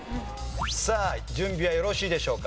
さあ準備はよろしいでしょうか？